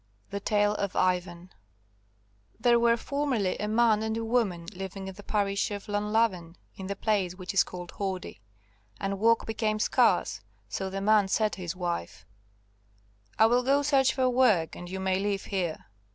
The Tale of Ivan There were formerly a man and a woman living in the parish of Llanlavan, in the place which is called Hwrdh. And work became scarce, so the man said to his wife, "I will go search for work, and you may live here."